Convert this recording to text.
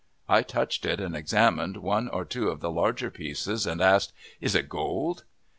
I touched it and examined one or two of the larger pieces, and asked, "Is it gold?"